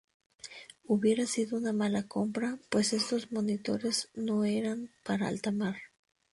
Hubiera sido una mala compra, pues estos monitores no eran para altamar.